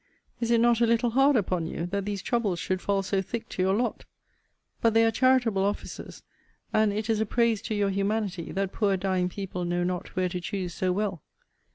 Is it not a little hard upon you, that these troubles should fall so thick to your lot? But they are charitable offices: and it is a praise to your humanity, that poor dying people know not where to choose so well.